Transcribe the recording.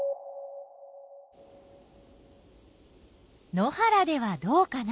野原ではどうかな。